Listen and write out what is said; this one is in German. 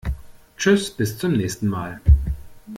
Tschüß, bis zum nächsen mal!